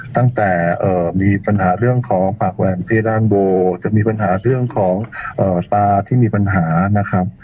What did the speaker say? ตั้งแต่มีปัญหาเรื่องของปากแหวนเพศด้านโบจะมีปัญหาเรื่องของตาที่มีปัญหานะครับ